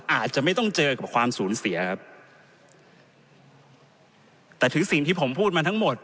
อาจจะไม่ต้องเจอกับความสูญเสียครับแต่ถึงสิ่งที่ผมพูดมาทั้งหมด